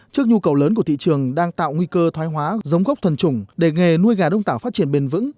trước nhu cầu lớn của thị trường đang tạo nguy cơ thoái hóa giống gốc thuần trùng để nghề nuôi gà đông tảo phát triển bền vững